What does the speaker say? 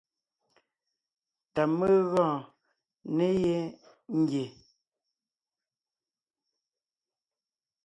Tà mé gɔɔn ne yé ngie.